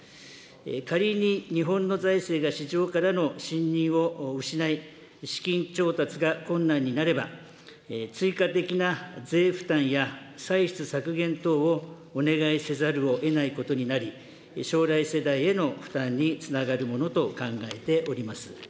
仮に日本の財政が市場からの信任を失い、資金調達が困難になれば、追加的な税負担や歳出削減等をお願いせざるをえないことになり、将来世代への負担につながるものと考えております。